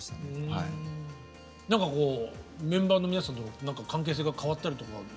何かこうメンバーの皆さんと関係性が変わったりとか。